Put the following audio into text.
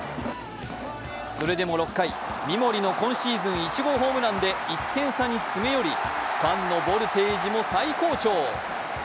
それでも６回、三森の今シーズン１号ホームランで１点差に詰め寄りファンのボルテージも最高潮。